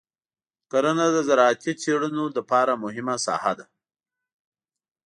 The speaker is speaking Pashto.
کرنه د زراعتي څېړنو لپاره مهمه ساحه ده.